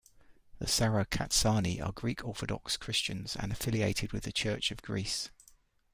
The Sarakatsani are Greek Orthodox Christians and affiliated with the Church of Greece.